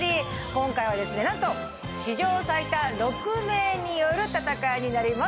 今回は、なんと史上最多６名による戦いになります。